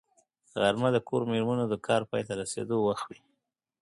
غرمه د کور مېرمنو د کار پای ته رسېدو وخت وي